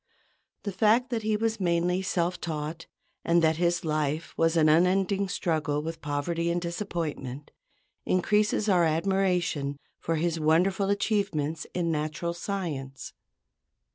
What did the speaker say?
The fact that he was mainly self taught, and that his life was an unending struggle with poverty and disappointment, increases our admiration for his wonderful achievements in natural science.